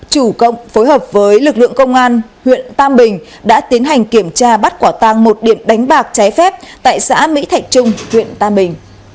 chủ công phối hợp với lực lượng công an huyện tam bình đã tiến hành kiểm tra bắt quả tang một điện đánh bạc trái phép tại xã mỹ thạch trung huyện tam bình